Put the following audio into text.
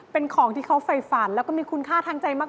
เป็นของที่เขาไฟฝันแล้วก็มีคุณค่าทางใจมาก